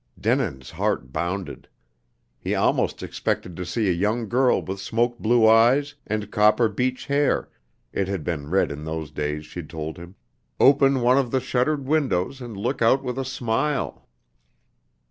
Denin's heart bounded. He almost expected to see a young girl with smoke blue eyes and copper beech hair (it had been red in those days, she'd told him) open one of the shuttered windows and look out with a smile.